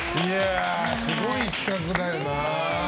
すごい企画だよな。